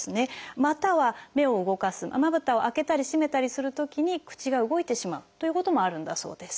または目を動かすまぶたを開けたり閉めたりするときに口が動いてしまうということもあるんだそうです。